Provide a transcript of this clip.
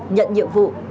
nhận nhiệm vụ